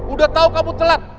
udah tau kamu telat